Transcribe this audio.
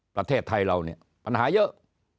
ประเทศไทยเราเนี่ยปัญหาเยอะ